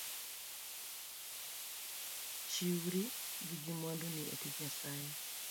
Chiwri gi mwanduni e tich Nyasaye